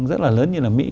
rất là lớn như là mỹ